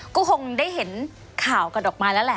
ก็คงได้เห็นข่าวกันออกมาแล้วแหละ